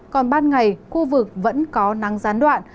còn ban ngày khu vực vẫn có nắng gián đoạn